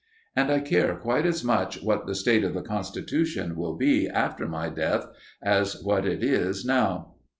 And I care quite as much what the state of the constitution will be after my death as what it is now.